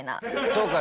そうか。